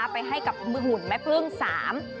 ไปให้กับมือหุ่นแม่พึ่งสาม